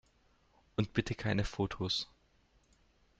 Und bitte keine Fotos!